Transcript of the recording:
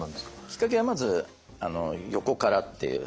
きっかけはまず横からっていう。